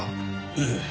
ええ。